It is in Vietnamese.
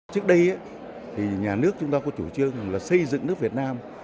trước đây thì nhà nước chúng ta có chủ trương rằng là xây dựng nước việt nam